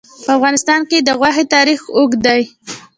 په افغانستان کې د غوښې تاریخ اوږد دی.